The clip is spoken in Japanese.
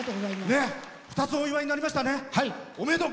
２つお祝いになりました。